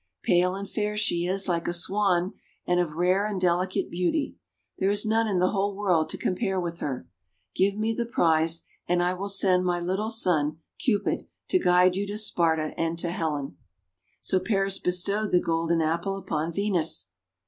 Pale and fair she is like a Swan, and of rare and delicate beauty. There is none in the whole world to compare with her. Give me the prize, and I will send my little son, Cupid, to guide you to Sparta and to Helen." So Paris bestowed the Golden Apple upon Venus.